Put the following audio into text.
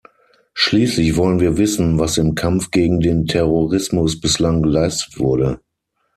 Schließlich wollen wir wissen, was im Kampf gegen den Terrorismus bislang geleistet wurde.